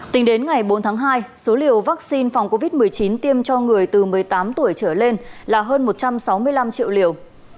tính đến ngày bốn tháng hai số liều vaccine phòng covid một mươi chín tiêm cho người từ một mươi tám tuổi trở lên là hơn một trăm sáu mươi năm triệu liều